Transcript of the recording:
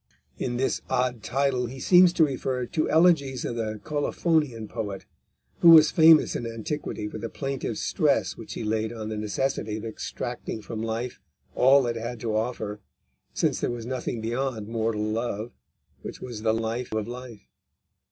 In this odd title he seems to refer to elegies of the Colophonian poet, who was famous in antiquity for the plaintive stress which he laid on the necessity of extracting from life all it had to offer, since there was nothing beyond mortal love, which was the life of life.